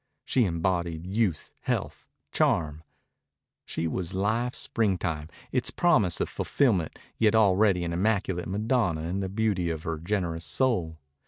She embodied youth, health, charm. She was life's springtime, its promise of fulfillment; yet already an immaculate Madonna in the beauty of her generous soul.